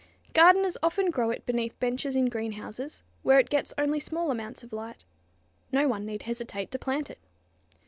Gardeners often grow it beneath benches in greenhouses, where it gets only small amounts of light. No one need hesitate to plant it.